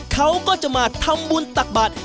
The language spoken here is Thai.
เขาก็จะมาทำบุญตักบาท